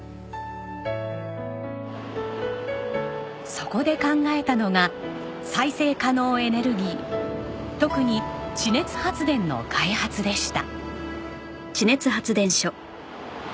そこで考えたのが再生可能エネルギー特に地熱発電の開発でした。